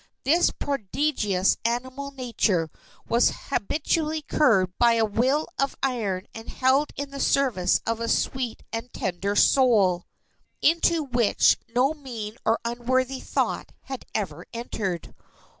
This prodigious animal nature was habitually curbed by a will of iron and held in the service of a sweet and tender soul, into which no mean or unworthy thought had ever entered.